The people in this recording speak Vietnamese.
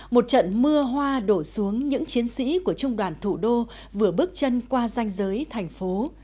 một trận mưa hoa đổ xuống những chiến sĩ của trung đoàn thủ đô vừa bước chân qua danh giới thành phố